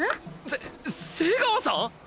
せ瀬川さん！？